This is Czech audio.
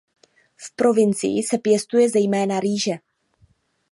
V provincii se pěstuje zejména rýže.